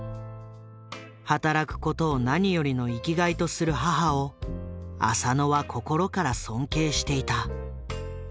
働くことを何よりの生きがいとする母を浅野は心から尊敬していた。